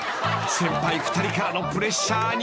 ［先輩２人からのプレッシャーに］